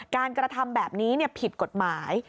การกระทำแบบนี้ผิดกฎหมาย